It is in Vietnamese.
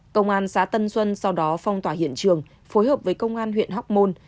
công an xã tân xuân sau đó phong tỏa hiện trường phối hợp với công an huyện hóc môn